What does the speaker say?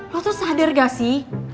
lo tuh sadar gak sih